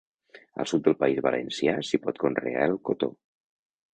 Al sud del País valencià s'hi pot conrear el cotó.